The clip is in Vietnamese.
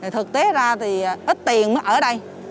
thực tế ra thì ít tiền mới ở đây